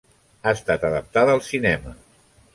Ha estat adaptada al cinema.